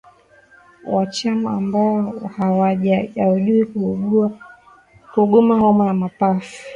Wanyama ambao hawajawahi kuugua homa ya mapafu